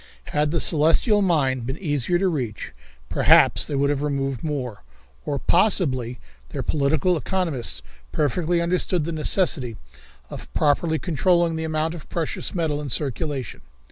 Had the celestial mine been easier to reach, perhaps they would have removed more, or, possibly, their political economists perfectly understood the necessity of properly controlling the amount of precious metal in circulation.